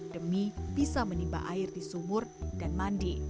demi bisa menimba air di sumur dan mandi